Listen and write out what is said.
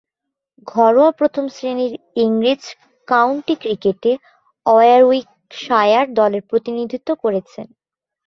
ঘরোয়া প্রথম-শ্রেণীর ইংরেজ কাউন্টি ক্রিকেটে ওয়ারউইকশায়ার দলের প্রতিনিধিত্ব করেছেন।